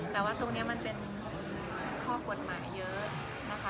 แต่ว่าตรงนี้มันเป็นข้อกฎหมายเยอะนะคะ